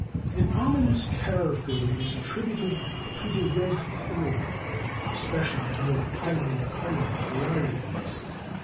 An ominous character was attributed to the red coral, especially the more highly colored varieties.